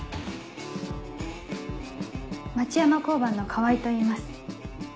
町山交番の川合といいます。